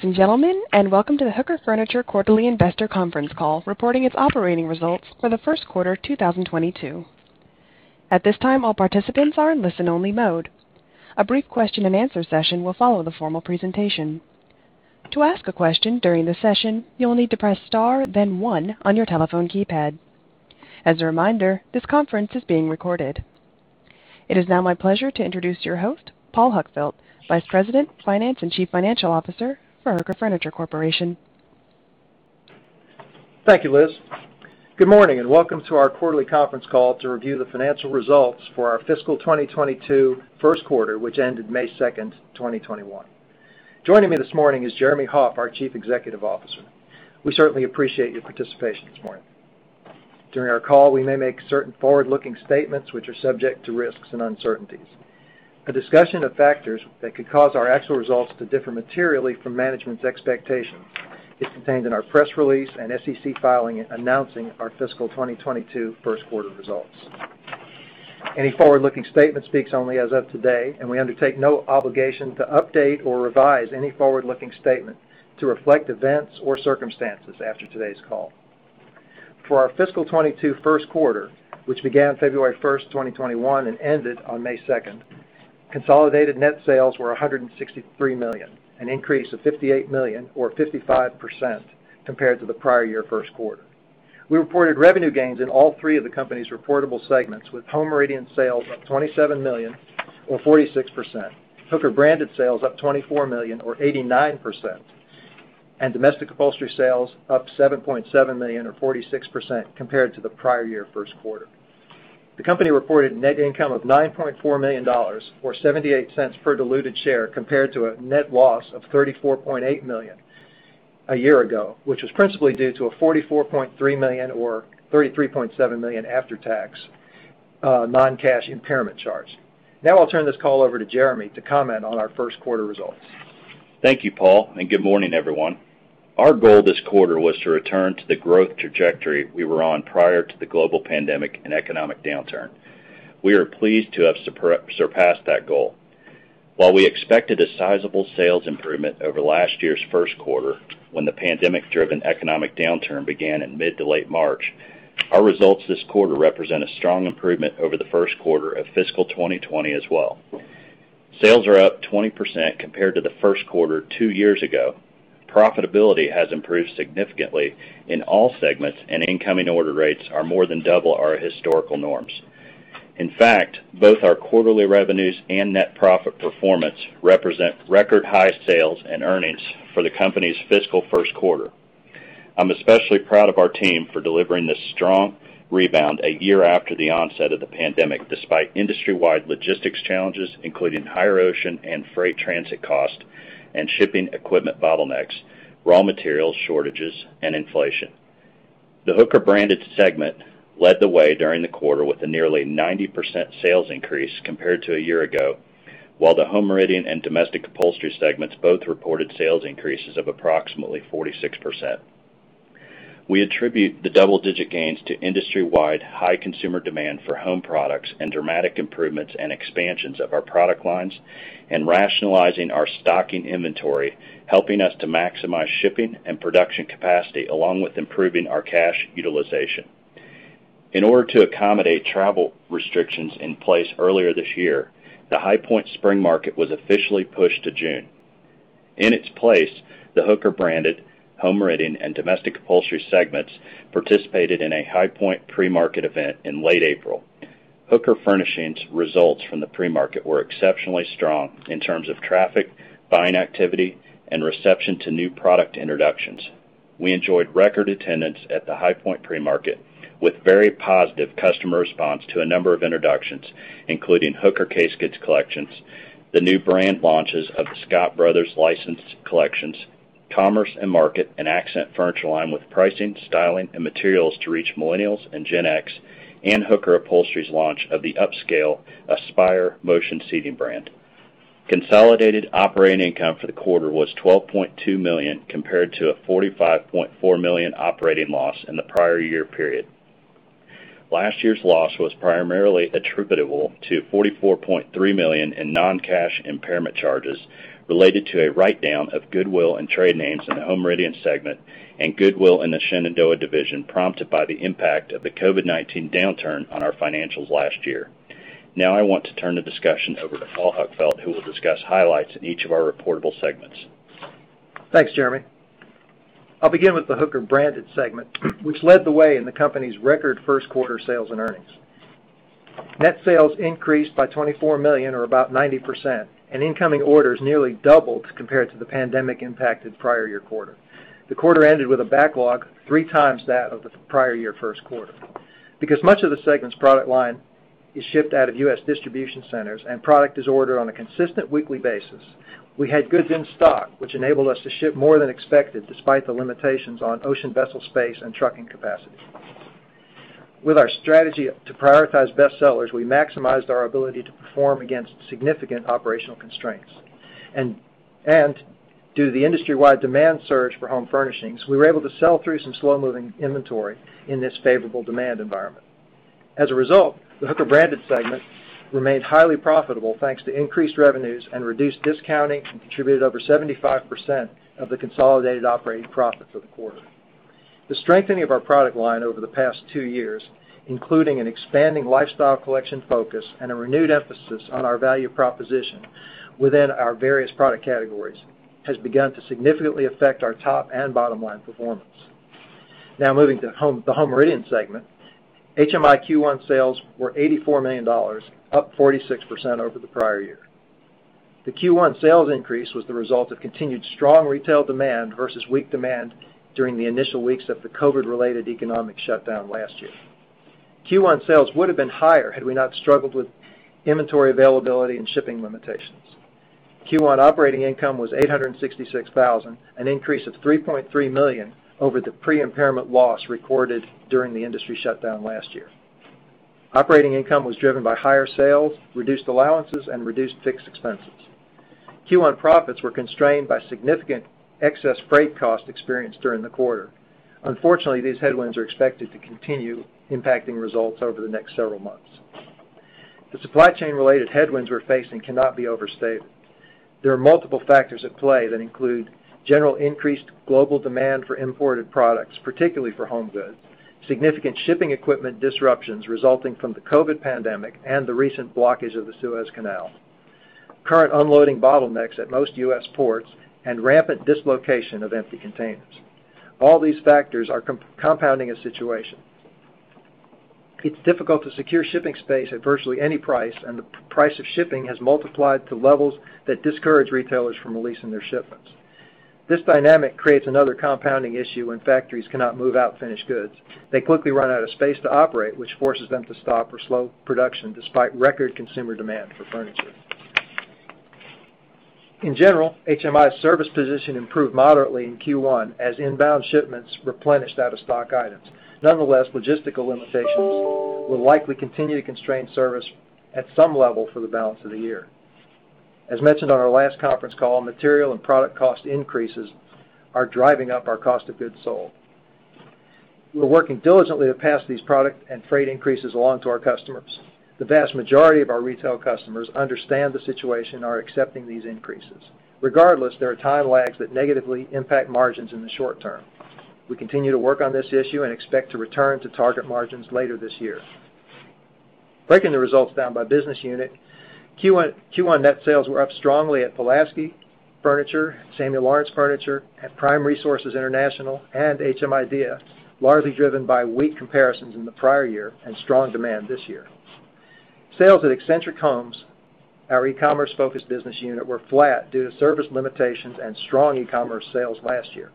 Good gentlemen, welcome to the Hooker Furnishings quarterly investor conference call reporting its operating results for the first quarter 2022. At this time, all participants are in listen-only mode. A brief question and answer session will follow the formal presentation. To ask a question during the session, you'll need to press star then one on your telephone keypad. As a reminder, this conference is being recorded. It is now my pleasure to introduce your host, Paul Huckfeldt, Vice President Finance and Chief Financial Officer for Hooker Furnishings Corporation. Thank you, Liz. Good morning and welcome to our quarterly conference call to review the financial results for our fiscal 2022 first quarter, which ended May 2, 2021. Joining me this morning is Jeremy Hoff, our Chief Executive Officer. We certainly appreciate your participation this morning. During our call, we may make certain forward-looking statements which are subject to risks and uncertainties. A discussion of factors that could cause our actual results to differ materially from management's expectations is contained in our press release and SEC filing announcing our fiscal 2022 first quarter results. Any forward-looking statement speaks only as of today, and we undertake no obligation to update or revise any forward-looking statement to reflect events or circumstances after today's call. For our fiscal 2022 first quarter, which began February 1, 2021, and ended on May 2, consolidated net sales were $163 million, an increase of $58 million or 55% compared to the prior year first quarter. We reported revenue gains in all three of the company's reportable segments with Home Meridian sales up $27 million or 46%, Hooker Branded sales up $24 million or 89%, and Domestic Upholstery sales up $7.7 million or 46% compared to the prior year first quarter. The company reported net income of $9.4 million, or $0.78 per diluted share compared to a net loss of $34.8 million a year ago, which was principally due to a $44.3 million or $33.7 million after-tax non-cash impairment charge. Now I'll turn this call over to Jeremy to comment on our first quarter results. Thank you, Paul, and good morning, everyone. Our goal this quarter was to return to the growth trajectory we were on prior to the global pandemic and economic downturn. We are pleased to have surpassed that goal. While we expected a sizable sales improvement over last year's first quarter when the pandemic-driven economic downturn began in mid to late March, our results this quarter represent a strong improvement over the first quarter of fiscal 2020 as well. Sales are up 20% compared to the first quarter two years ago. Profitability has improved significantly in all segments, and incoming order rates are more than double our historical norms. In fact, both our quarterly revenues and net profit performance represent record high sales and earnings for the company's fiscal first quarter. I'm especially proud of our team for delivering this strong rebound a year after the onset of the pandemic, despite industry-wide logistics challenges, including higher ocean and freight transit cost and shipping equipment bottlenecks, raw material shortages, and inflation. The Hooker Branded segment led the way during the quarter with a nearly 90% sales increase compared to a year ago, while the Home Meridian and Domestic Upholstery segments both reported sales increases of approximately 46%. We attribute the double-digit gains to industry-wide high consumer demand for home products and dramatic improvements and expansions of our product lines and rationalizing our stocking inventory, helping us to maximize shipping and production capacity along with improving our cash utilization. In order to accommodate travel restrictions in place earlier this year, the High Point Spring Market was officially pushed to June. In its place, the Hooker Branded, Home Meridian, and Domestic Upholstery segments participated in a High Point Pre-Market event in late April. Hooker Furnishings results from the Pre-Market were exceptionally strong in terms of traffic, buying activity, and reception to new product introductions. We enjoyed record attendance at the High Point Pre-Market with very positive customer response to a number of introductions, including Hooker Casegoods collections, the new brand launches of the Scott Brothers licensed collections, Commerce & Market, an accent furniture line with pricing, styling, and materials to reach Millennials and Gen X, and Hooker Upholstery's launch of the upscale Aspire Motion seating brand. Consolidated operating income for the quarter was $12.2 million compared to a $45.4 million operating loss in the prior year period. Last year's loss was primarily attributable to $44.3 million in non-cash impairment charges related to a write-down of goodwill and trade names in the Home Meridian segment and goodwill in the Shenandoah division, prompted by the impact of the COVID-19 downturn on our financials last year. Now, I want to turn the discussion over to Paul Huckfeldt, who will discuss highlights in each of our reportable segments. Thanks, Jeremy. I'll begin with the Hooker Branded segment, which led the way in the company's record first quarter sales and earnings. Net sales increased by $24 million or about 90%, and incoming orders nearly doubled compared to the pandemic-impacted prior year quarter. The quarter ended with a backlog three times that of the prior year first quarter. Because much of the segment's product line is shipped out of U.S. distribution centers and product is ordered on a consistent weekly basis, we had goods in stock, which enabled us to ship more than expected despite the limitations on ocean vessel space and trucking capacity. With our strategy to prioritize best sellers, we maximized our ability to perform against significant operational constraints. Due to the industry-wide demand surge for home furnishings, we were able to sell through some slow-moving inventory in this favorable demand environment. As a result, the Hooker Branded segment remained highly profitable thanks to increased revenues and reduced discounting, and contributed over 75% of the consolidated operating profit for the quarter. The strengthening of our product line over the past two years, including an expanding lifestyle collection focus and a renewed emphasis on our value proposition within our various product categories, has begun to significantly affect our top and bottom line performance. Moving to the Home Meridian segment, HMI Q1 sales were $84 million, up 46% over the prior year. The Q1 sales increase was the result of continued strong retail demand versus weak demand during the initial weeks of the COVID-related economic shutdown last year. Q1 sales would have been higher had we not struggled with inventory availability and shipping limitations. Q1 operating income was $866,000, an increase of $3.3 million over the pre-impairment loss recorded during the industry shutdown last year. Operating income was driven by higher sales, reduced allowances, and reduced fixed expenses. Q1 profits were constrained by significant excess freight costs experienced during the quarter. Unfortunately, these headwinds are expected to continue impacting results over the next several months. The supply chain-related headwinds we're facing cannot be overstated. There are multiple factors at play that include general increased global demand for imported products, particularly for home goods, significant shipping equipment disruptions resulting from the COVID pandemic and the recent blockage of the Suez Canal, current unloading bottlenecks at most U.S. ports, and rampant dislocation of empty containers. All these factors are compounding a situation. It's difficult to secure shipping space at virtually any price, and the price of shipping has multiplied to levels that discourage retailers from releasing their shipments. This dynamic creates another compounding issue when factories cannot move out finished goods. They quickly run out of space to operate, which forces them to stop or slow production despite record consumer demand for furniture. In general, HMI's service position improved moderately in Q1 as inbound shipments replenished out-of-stock items. Nonetheless, logistical limitations will likely continue to constrain service at some level for the balance of the year. As mentioned on our last conference call, material and product cost increases are driving up our cost of goods sold. We're working diligently to pass these product and freight increases on to our customers. The vast majority of our retail customers understand the situation and are accepting these increases. Regardless, there are time lags that negatively impact margins in the short term. We continue to work on this issue and expect to return to target margins later this year. Breaking the results down by business unit, Q1 net sales were up strongly at Pulaski Furniture, Samuel Lawrence Furniture, at Prime Resources International, and HMidea, largely driven by weak comparisons in the prior year and strong demand this year. Sales at Accentric Home, our e-commerce-focused business unit, were flat due to service limitations and strong e-commerce sales last year.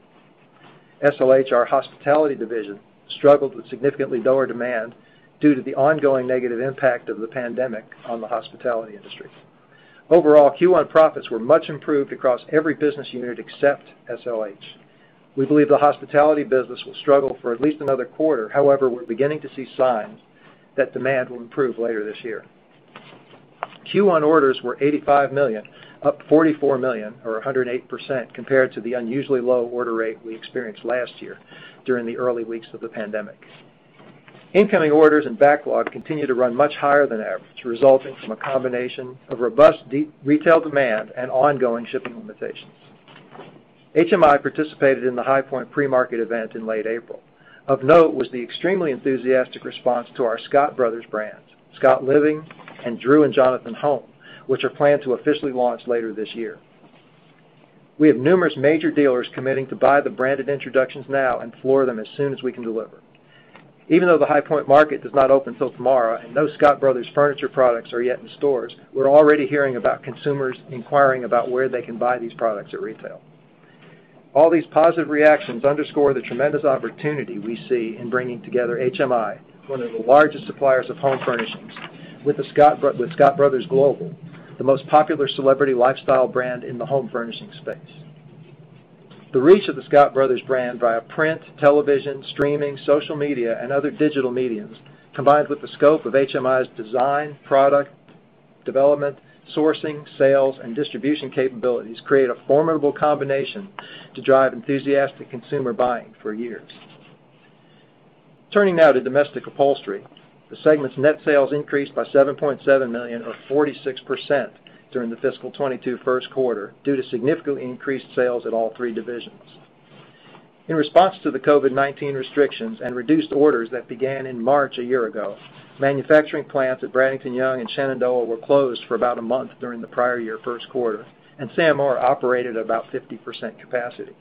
SLH, our hospitality division, struggled with significantly lower demand due to the ongoing negative impact of the pandemic on the hospitality industry. Overall, Q1 profits were much improved across every business unit except SLH. We believe the hospitality business will struggle for at least another quarter. However, we're beginning to see signs that demand will improve later this year. Q1 orders were $85 million, up $44 million or 108% compared to the unusually low order rate we experienced last year during the early weeks of the pandemic. Incoming orders and backlog continue to run much higher than average, resulting from a combination of robust retail demand and ongoing shipping limitations. HMI participated in the High Point Pre-Market event in late April. Of note was the extremely enthusiastic response to our Scott Brothers brands, Scott Living and Drew & Jonathan Home, which are planned to officially launch later this year. We have numerous major dealers committing to buy the branded introductions now and floor them as soon as we can deliver. Even though the High Point Market does not open until tomorrow and no Scott Brothers Furniture products are yet in stores, we're already hearing about consumers inquiring about where they can buy these products at retail. All these positive reactions underscore the tremendous opportunity we see in bringing together HMI, one of the largest suppliers of home furnishings, with Scott Brothers Global, the most popular celebrity lifestyle brand in the home furnishings space. The reach of the Scott Brothers brand via print, television, streaming, social media, and other digital mediums, combined with the scope of HMI's design, product development, sourcing, sales, and distribution capabilities, create a formidable combination to drive enthusiastic consumer buying for years. Turning now to Domestic Upholstery, the segment's net sales increased by $7.7 million or 46% during the fiscal 2022 first quarter due to significantly increased sales at all three divisions. In response to the COVID-19 restrictions and reduced orders that began in March a year ago, manufacturing plants at Bradington-Young and Sam Moor were closed for about a month during the prior year first quarter, and Sam Moore operated at about 50% capacity.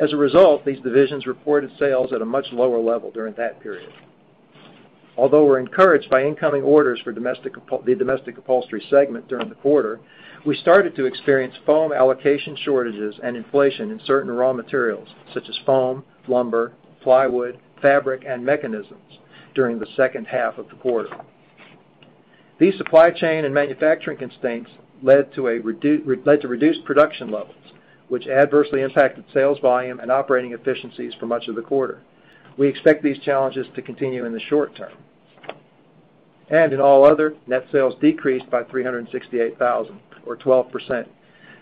As a result, these divisions reported sales at a much lower level during that period. Although we're encouraged by incoming orders for the Domestic Upholstery segment during the quarter, we started to experience foam allocation shortages and inflation in certain raw materials such as foam, lumber, plywood, fabric, and mechanisms during the second half of the quarter. These supply chain and manufacturing constraints led to reduced production levels, which adversely impacted sales volume and operating efficiencies for much of the quarter. We expect these challenges to continue in the short term. In all other, net sales decreased by $368,000 or 12%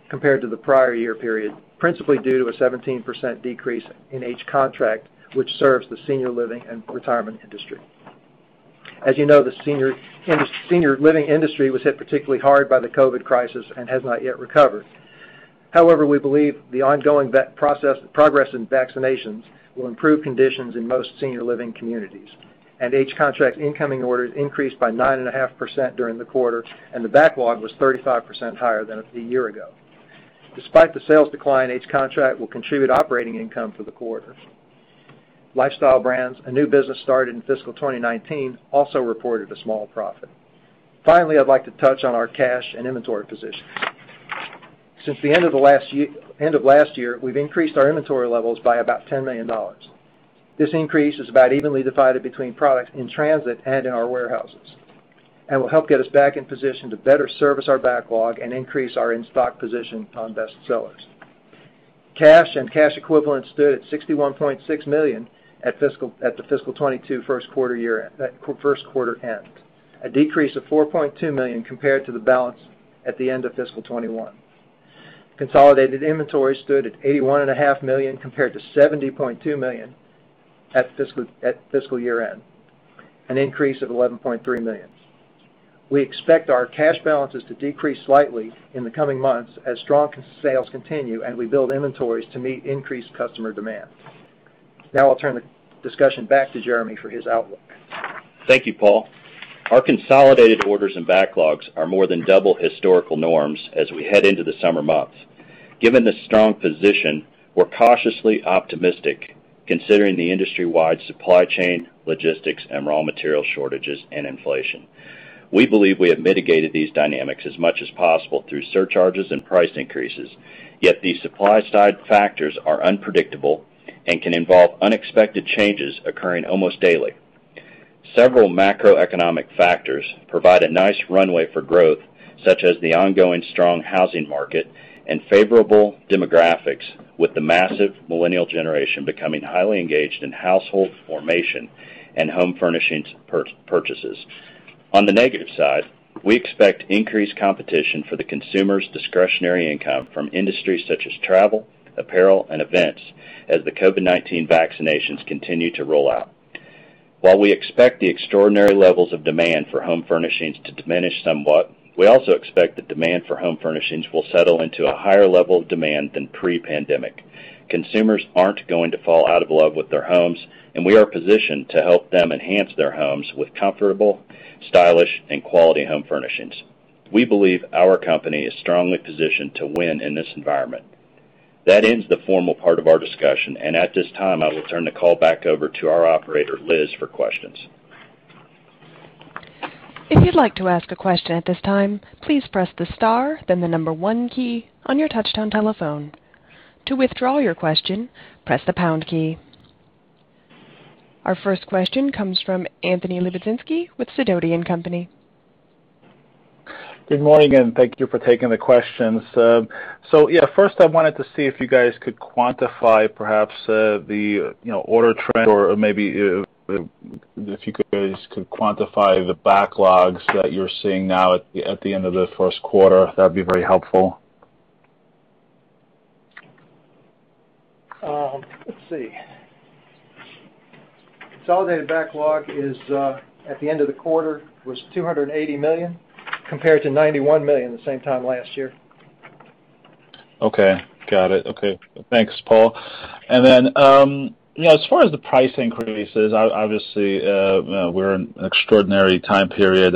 compared to the prior year period, principally due to a 17% decrease in H Contract, which serves the senior living and retirement industry. As you know, the senior living industry was hit particularly hard by the COVID crisis and has not yet recovered. However, we believe the ongoing progress in vaccinations will improve conditions in most senior living communities, and H Contract incoming orders increased by 9.5% during the quarter, and the backlog was 35% higher than a year ago. Despite the sales decline, H Contract will contribute operating income for the quarter. Lifestyle Brands, a new business started in fiscal 2019, also reported a small profit. Finally, I'd like to touch on our cash and inventory position. Since the end of last year, we've increased our inventory levels by about $10 million. This increase is about evenly divided between products in transit and in our warehouses and will help get us back in position to better service our backlog and increase our in-stock position on best sellers. Cash and cash equivalents stood at $61.6 million at the fiscal 2022 first quarter end, a decrease of $4.2 million compared to the balance at the end of fiscal 2021. Consolidated inventory stood at $81.5 million compared to $70.2 million at fiscal year-end, an increase of $11.3 million. We expect our cash balances to decrease slightly in the coming months as strong sales continue and we build inventories to meet increased customer demand. I'll turn the discussion back to Jeremy for his outlook. Thank you, Paul. Our consolidated orders and backlogs are more than double historical norms as we head into the summer months. Given the strong position, we're cautiously optimistic considering the industry-wide supply chain, logistics, and raw material shortages, and inflation. We believe we have mitigated these dynamics as much as possible through surcharges and price increases, yet these supply-side factors are unpredictable and can involve unexpected changes occurring almost daily. Several macroeconomic factors provide a nice runway for growth, such as the ongoing strong housing market and favorable demographics with the massive millennial generation becoming highly engaged in household formation and home furnishings purchases. On the negative side, we expect increased competition for the consumer's discretionary income from industries such as travel, apparel, and events as the COVID-19 vaccinations continue to roll out. While we expect the extraordinary levels of demand for home furnishings to diminish somewhat, we also expect the demand for home furnishings will settle into a higher level of demand than pre-pandemic. Consumers aren't going to fall out of love with their homes, and we are positioned to help them enhance their homes with comfortable, stylish, and quality home furnishings. We believe our company is strongly positioned to win in this environment. That ends the formal part of our discussion, and at this time, I will turn the call back over to our operator, Liz, for questions. Our first question comes from Anthony Lebiedzinski with Sidoti & Company. Good morning, and thank you for taking the questions. Yeah, first I wanted to see if you guys could quantify perhaps the order trend or maybe if you guys could quantify the backlogs that you're seeing now at the end of the first quarter. That'd be very helpful. Let's see. Consolidated backlog at the end of the quarter was $280 million, compared to $91 million the same time last year. Okay. Got it. Okay. Thanks, Paul. As far as the price increases, obviously, we're in an extraordinary time period,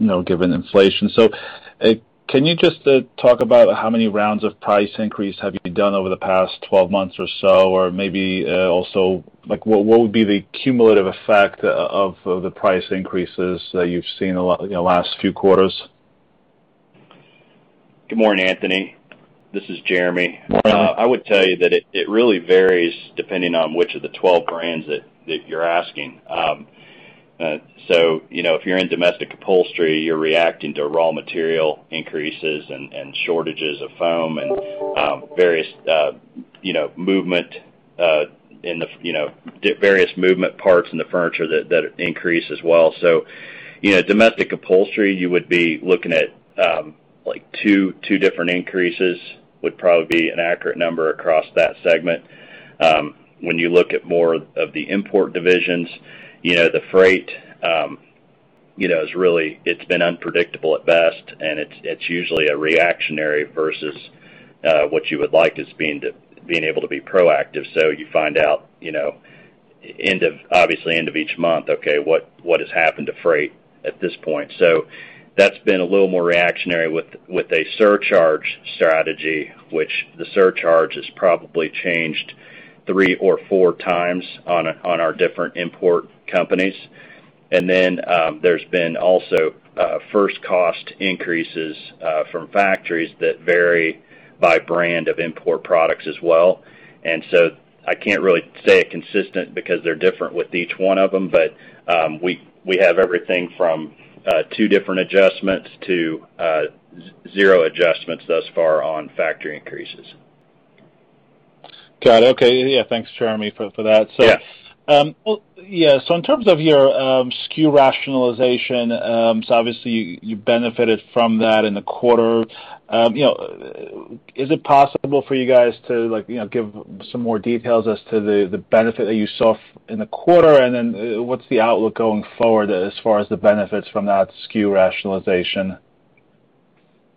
given inflation. Can you just talk about how many rounds of price increase have you done over the past 12 months or so? Maybe also, what would be the cumulative effect of the price increases that you've seen a lot in the last few quarters? Good morning, Anthony. This is Jeremy. Morning. I would tell you that it really varies depending on which of the 12 brands that you're asking. If you're in Domestic Upholstery, you're reacting to raw material increases and shortages of foam and various movement parts in the furniture that increase as well. Domestic Upholstery, you would be looking at two different increases, would probably be an accurate number across that segment. When you look at more of the import divisions, the freight, it's been unpredictable at best, and it's usually a reactionary versus what you would like is being able to be proactive. You find out, obviously end of each month, okay, what has happened to freight at this point? That's been a little more reactionary with a surcharge strategy, which the surcharge has probably changed three or four times on our different import companies. There's been also first cost increases from factories that vary by brand of import products as well. I can't really say consistent because they're different with each one of them, but we have everything from two different adjustments to zero adjustments thus far on factory increases. Got it. Okay. Yeah, thanks, Jeremy, for that. Yeah. Well, yeah. In terms of your SKU rationalization, obviously, you benefited from that in the quarter. Is it possible for you guys to give some more details as to the benefit that you saw in the quarter, and then what's the outlook going forward as far as the benefits from that SKU rationalization?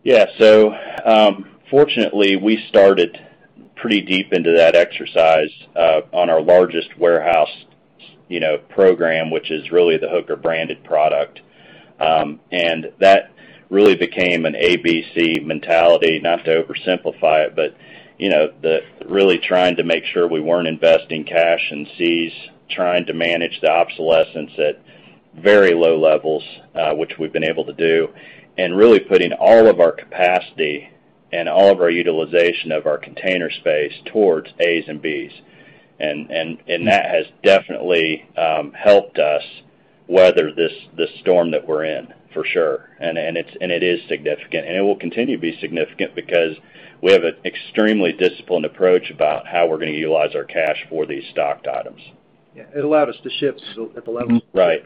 Yeah. Fortunately, we started pretty deep into that exercise on our largest warehouse program, which is really the Hooker Branded product. That really became an ABC mentality. Not to oversimplify it, but really trying to make sure we weren't investing cash in Cs, trying to manage the obsolescence at very low levels, which we've been able to do. Really putting all of our capacity and all of our utilization of our container space towards As and Bs. That has definitely helped us weather this storm that we're in, for sure. It is significant, and it will continue to be significant because we have an extremely disciplined approach about how we're going to utilize our cash for these stocked items. Yeah, it allowed us to shift at the level. Right.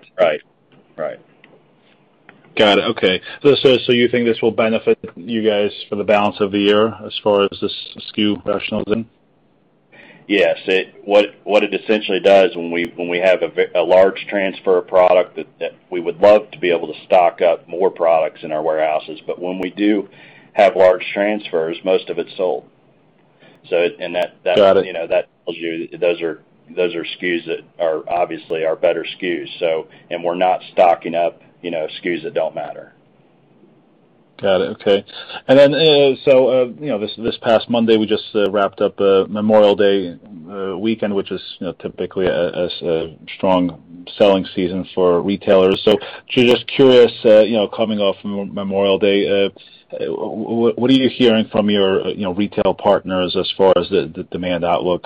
Got it. Okay. You think this will benefit you guys for the balance of the year as far as the SKU rationalization? Yes. What it essentially does when we have a large transfer of product that we would love to be able to stock up more products in our warehouses, but when we do have large transfers, most of it's sold. Got it. That tells you those are SKUs that are obviously our better SKUs. We're not stocking up SKUs that don't matter. Got it. Okay. This past Monday, we just wrapped up Memorial Day Weekend, which is typically a strong selling season for retailers. Just curious, coming off Memorial Day, what are you hearing from your retail partners as far as the demand outlook?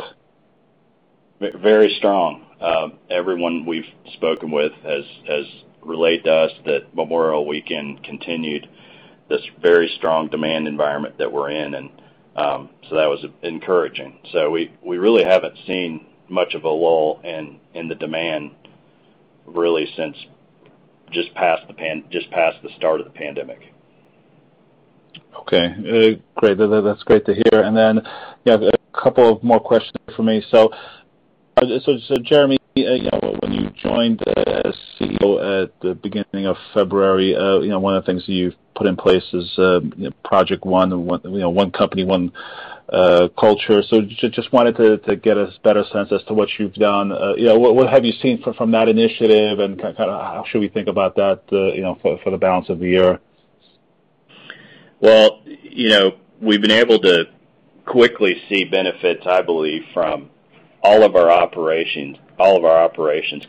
Very strong. Everyone we've spoken with has relayed to us that Memorial Weekend continued this very strong demand environment that we're in. That was encouraging. We really haven't seen much of a lull in the demand, really, since just past the start of the pandemic. Okay. Great. That's great to hear. You have a couple of more questions for me. Jeremy, when you joined as CEO at the beginning of February, one of the things that you've put in place is Project One Company, One Culture. Just wanted to get a better sense as to what you've done. What have you seen from that initiative, and how should we think about that for the balance of the year? Well, we've been able to quickly see benefits, I believe, from all of our operations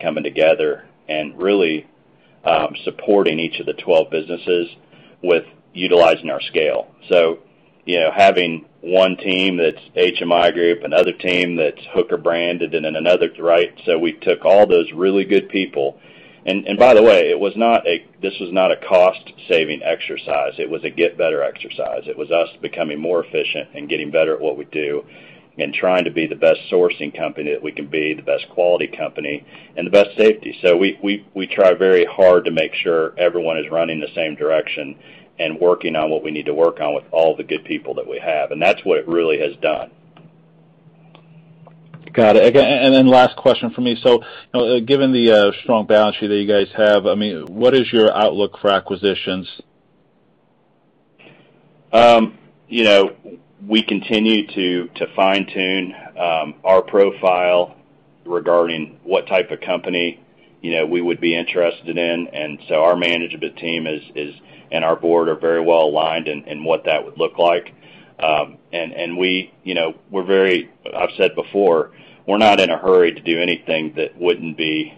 coming together and really supporting each of the 12 businesses with utilizing our scale. Having one team that's HMI group, another team that's Hooker Branded, then another, right? We took all those really good people. By the way, this was not a cost saving exercise. It was a get better exercise. It was us becoming more efficient and getting better at what we do and trying to be the best sourcing company that we can be, the best quality company, and the best safety. We try very hard to make sure everyone is running the same direction and working on what we need to work on with all the good people that we have, that's what it really has done. Got it. Last question from me. Given the strong balance sheet that you guys have, what is your outlook for acquisitions? We continue to fine-tune our profile regarding what type of company we would be interested in. Our management team and our board are very well aligned in what that would look like. I've said before, we're not in a hurry to do anything that wouldn't be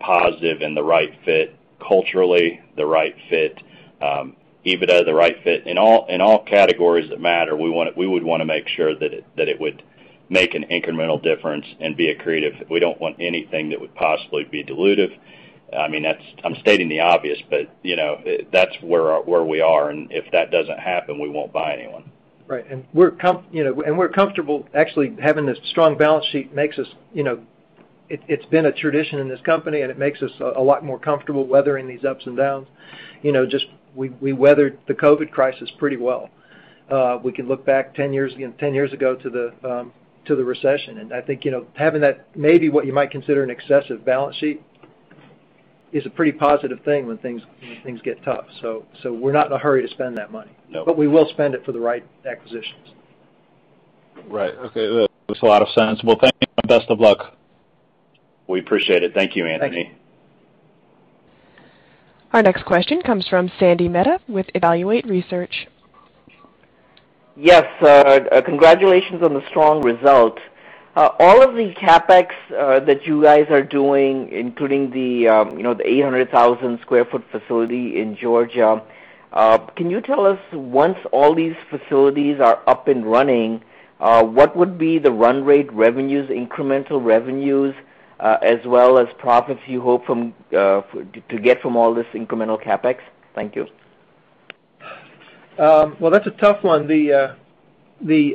positive and the right fit culturally, the right fit EBITDA, the right fit in all categories that matter, we would want to make sure that it would make an incremental difference and be accretive. We don't want anything that would possibly be dilutive. I'm stating the obvious, but that's where we are, and if that doesn't happen, we won't buy anyone. Right. We're comfortable actually having this strong balance sheet it's been a tradition in this company, and it makes us a lot more comfortable weathering these ups and downs. We weathered the COVID crisis pretty well. We can look back 10 years ago to the recession, and I think having that maybe what you might consider an excessive balance sheet is a pretty positive thing when things get tough. We're not in a hurry to spend that money. No. We will spend it for the right acquisitions. Right. Okay. Makes a lot of sense. Well, thank you, and best of luck. We appreciate it. Thank you, Anthony. Thank you. Our next question comes from Sandy Mehta with Evaluate Research. Yes. Congratulations on the strong result. All of the CapEx that you guys are doing, including the 800,000 square foot facility in Georgia, can you tell us, once all these facilities are up and running, what would be the run rate revenues, incremental revenues, as well as profits you hope to get from all this incremental CapEx? Thank you. Well, that's a tough one. The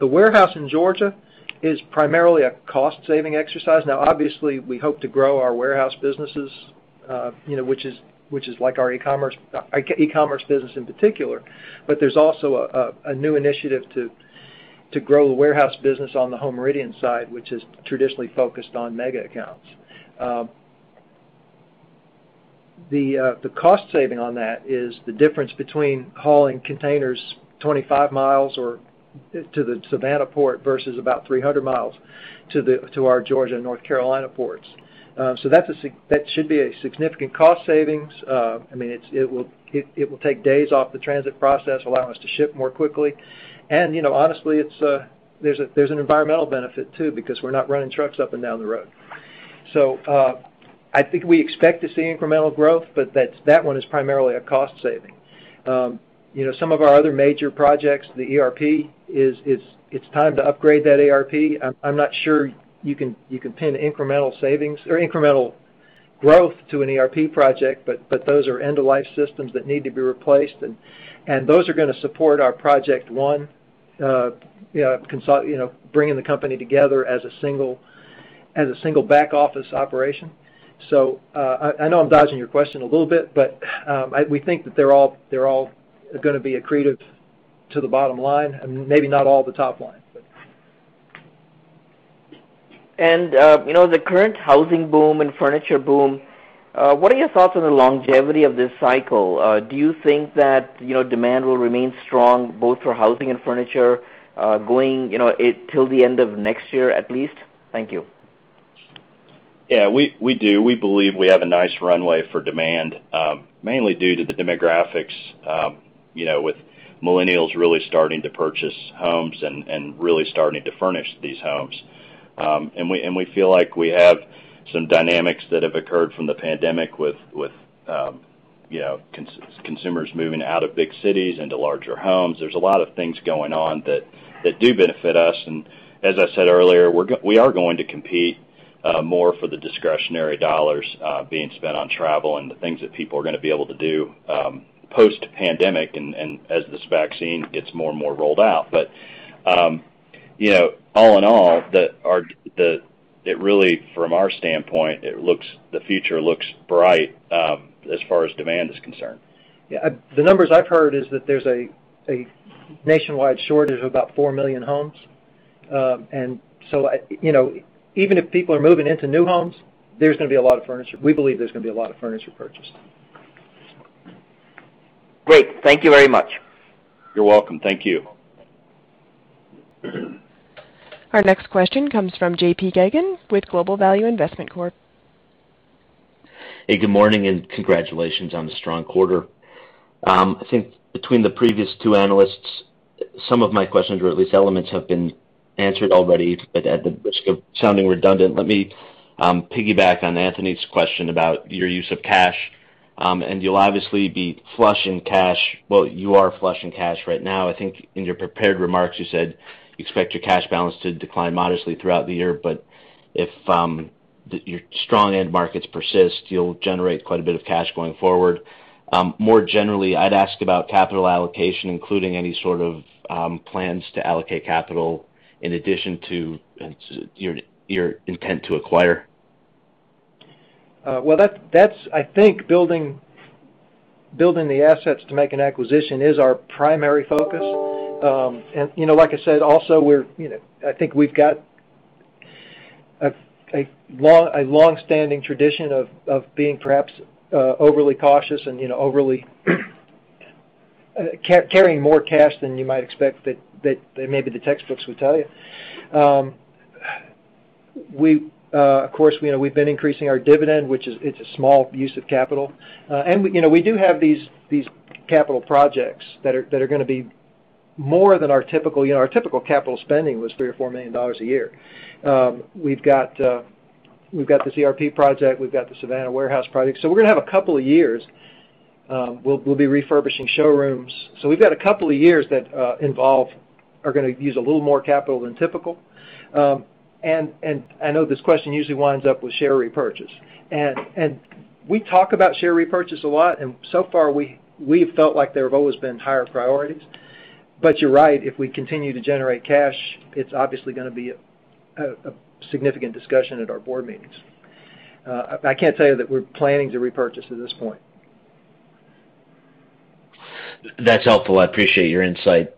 warehouse in Georgia is primarily a cost-saving exercise. Obviously, we hope to grow our warehouse businesses which is like our e-commerce business in particular. There's also a new initiative to grow the warehouse business on the Home Meridian side, which is traditionally focused on mega accounts. The cost saving on that is the difference between hauling containers 25 miles or to the Savannah Port versus about 300 miles to our Georgia and North Carolina ports. That should be a significant cost savings. It will take days off the transit process, allow us to ship more quickly, and honestly, there's an environmental benefit too, because we're not running trucks up and down the road. I think we expect to see incremental growth, that one is primarily a cost saving. Some of our other major projects, the ERP, it's time to upgrade that ERP. I'm not sure you can pin incremental savings or incremental growth to an ERP project. Those are end-of-life systems that need to be replaced. Those are going to support our Project One, bringing the company together as a single back office operation. I know I'm dodging your question a little bit. We think that they're all going to be accretive to the bottom line, maybe not all to top line. The current housing boom and furniture boom, what are your thoughts on the longevity of this cycle? Do you think that demand will remain strong both for housing and furniture going till the end of next year at least? Thank you. Yeah, we do. We believe we have a nice runway for demand mainly due to the demographics with millennials really starting to purchase homes and really starting to furnish these homes. We feel like we have some dynamics that have occurred from the pandemic with consumers moving out of big cities into larger homes. There's a lot of things going on that do benefit us, and as I said earlier, we are going to compete more for the discretionary dollars being spent on travel and the things that people are going to be able to do post-pandemic and as this vaccine gets more and more rolled out. All in all, really from our standpoint, the future looks bright as far as demand is concerned. Yeah. The numbers I've heard is that there's a nationwide shortage of about four million homes. Even if people are moving into new homes, we believe there's going to be a lot of furniture purchased. Great. Thank you very much. You're welcome. Thank you. Our next question comes from JP Geygan with Global Value Investment Corp. Good morning and congratulations on the strong quarter. I think between the previous two analysts, some of my questions, or at least elements, have been answered already. At the risk of sounding redundant, let me piggyback on Anthony's question about your use of cash. You'll obviously be flush in cash. Well, you are flush in cash right now. I think in your prepared remarks, you said you expect your cash balance to decline modestly throughout the year, but if your strong end markets persist, you'll generate quite a bit of cash going forward. More generally, I'd ask about capital allocation, including any sort of plans to allocate capital in addition to your intent to acquire. Well, that's, I think, building the assets to make an acquisition is our primary focus. Like I said, also, I think we've got a long-standing tradition of being perhaps overly cautious and overly carrying more cash than you might expect that maybe the textbooks would tell you. Of course, we've been increasing our dividend, which it's a small use of capital. We do have these capital projects that are going to be more than our typical capital spending was $3 million or $4 million a year. We've got the ERP project, we've got the Savannah warehouse project. We're going to have a couple of years. We'll be refurbishing showrooms. We've got a couple of years that are going to use a little more capital than typical. I know this question usually winds up with share repurchase, and we talk about share repurchase a lot, and so far we've felt like there have always been higher priorities. You're right, if we continue to generate cash, it's obviously going to be a significant discussion at our board meetings. I can't tell you that we're planning to repurchase at this point. That's helpful. I appreciate your insight.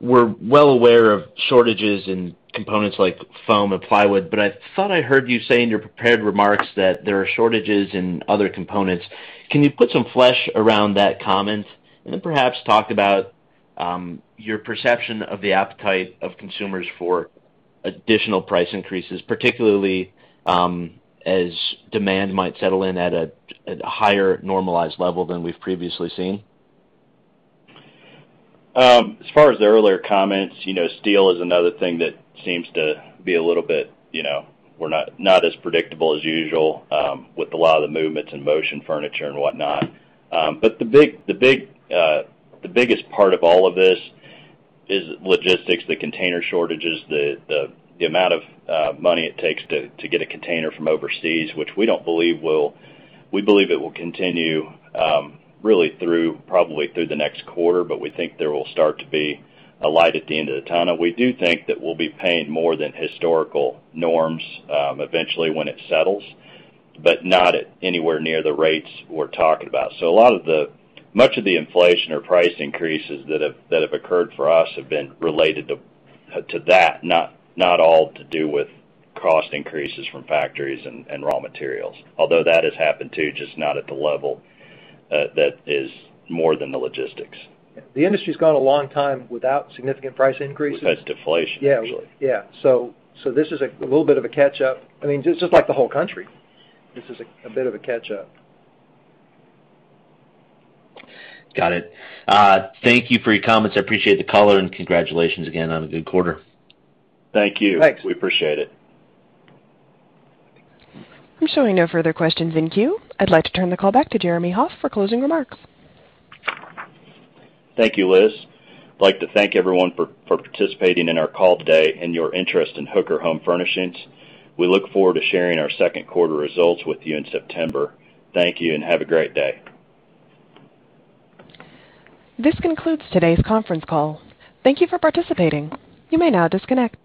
We're well aware of shortages in components like foam and plywood. I thought I heard you say in your prepared remarks that there are shortages in other components. Can you put some flesh around that comment and then perhaps talk about your perception of the appetite of consumers for additional price increases, particularly as demand might settle in at a higher normalized level than we've previously seen? As far as the earlier comments, steel is another thing that seems to be a little bit not as predictable as usual with a lot of the movements in motion furniture and whatnot. The biggest part of all of this is logistics, the container shortages, the amount of money it takes to get a container from overseas, which we believe it will continue really through probably through the next quarter, but we think there will start to be a light at the end of the tunnel. We do think that we'll be paying more than historical norms eventually when it settles, but not at anywhere near the rates we're talking about. Much of the inflation or price increases that have occurred for us have been related to that, not all to do with cost increases from factories and raw materials. Although that has happened, too, just not at the level that is more than the logistics. The industry's gone a long time without significant price increases. We've had deflation, actually. Yeah. This is a little bit of a catch-up. Just like the whole country, this is a bit of a catch-up. Got it. Thank you for your comments. I appreciate the color, and congratulations again on a good quarter. Thank you. Thanks. We appreciate it. I'm showing no further questions in queue. I'd like to turn the call back to Jeremy Hoff for closing remarks. Thank you, Liz. I'd like to thank everyone for participating in our call today and your interest in Hooker Furnishings. We look forward to sharing our second quarter results with you in September. Thank you and have a great day. This concludes today's conference call. Thank you for participating. You may now disconnect.